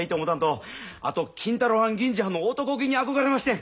あと金太郎はん銀次はんの男気に憧れましてん。